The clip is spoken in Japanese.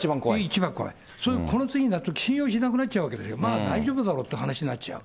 一番怖い、この次のとき、信用しなくなっちゃうわけですよ、まあ大丈夫だろうっていう話になっちゃう。